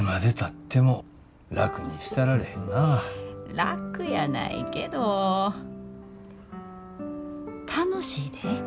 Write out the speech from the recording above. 楽やないけど楽しいで。